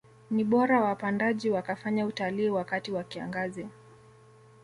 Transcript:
Ni bora wapandaji wakafanya utalii wakati wa kiangazi